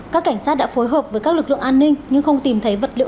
các cảnh sát đã phối hợp với các lực lượng an ninh nhưng không tìm thấy vật liệu